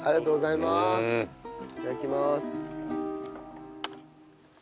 いただきます。